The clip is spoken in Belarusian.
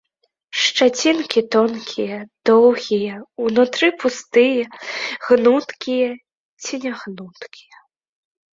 Шчацінкі тонкія, доўгія, унутры пустыя, гнуткія ці нягнуткія.